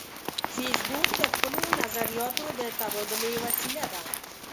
فېسبوک د خپلو نظریاتو د تبادلې وسیله ده